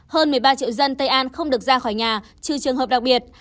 hơn một mươi ba triệu dân tây an không được ra khỏi nhà trừ trường hợp đặc biệt